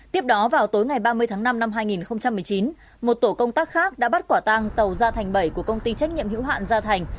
tiếp đó vào tối ngày ba mươi tháng năm năm hai nghìn một mươi chín một tổ công tác khác đã bắt quả tăng tàu gia thành bảy của công ty trách nhiệm hữu hạn gia thành